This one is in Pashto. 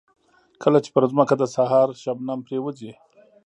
کله چې پر ځمکه د سهار شبنم پرېوځي.